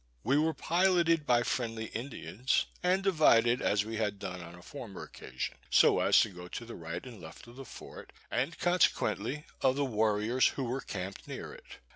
We were piloted by friendly Indians, and divided as we had done on a former occasion, so as to go to the right and left of the fort, and, consequently, of the warriors who were camped near it.